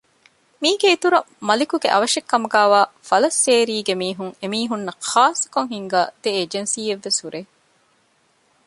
މީގެ އިތުރަށް މަލިކުގެ އަވަށެއްކަމުގައިވާ ފަލައްސޭރީގެ މީހުން އެމީހުންނަށް ޚާއްސަކޮށް ހިންގާ ދެ އެޖެންސީއެއްވެސް ހުރޭ